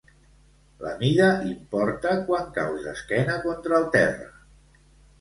La mida importa quan caus d'esquena contra el terra.